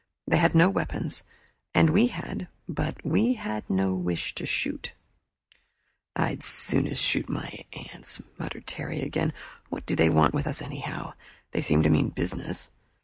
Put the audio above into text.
They had no weapons, and we had, but we had no wish to shoot. "I'd as soon shoot my aunts," muttered Terry again. "What do they want with us anyhow? They seem to mean business."